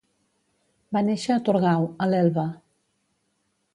Va néixer a Torgau, a l'Elba.